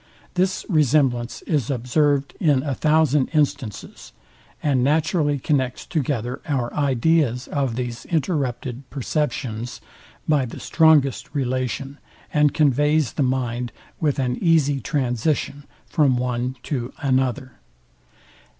This resemblance is observed in a thousand instances, and naturally connects together our ideas of these interrupted perceptions by the strongest relation, and conveys the mind with an easy transition from one to another.